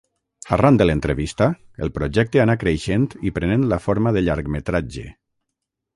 Arran de l'entrevista, el projecte anà creixent i prenent la forma de llargmetratge.